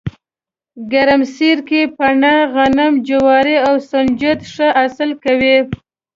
ګرمسیر کې پنه، غنم، جواري او ُکنجدي ښه حاصل کوي